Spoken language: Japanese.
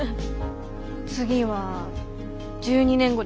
次は１２年後でしょ？